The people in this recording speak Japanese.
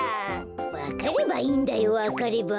わかればいいんだよわかれば。